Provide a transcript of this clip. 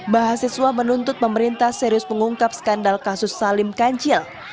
mahasiswa menuntut pemerintah serius mengungkap skandal kasus salim kancil